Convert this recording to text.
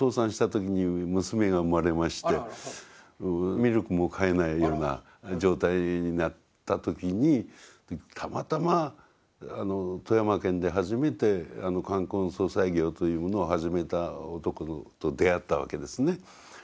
ミルクも買えないような状態になった時にたまたま富山県で初めて冠婚葬祭業というものを始めた男と出会ったわけですね。